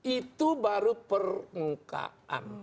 itu baru permukaan